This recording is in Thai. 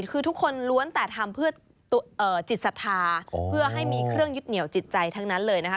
คือทุกคนล้วนแต่ทำเพื่อจิตศรัทธาเพื่อให้มีเครื่องยึดเหนียวจิตใจทั้งนั้นเลยนะคะ